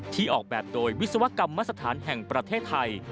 ออกแบบโดยวิศวกรรมสถานแห่งประเทศไทย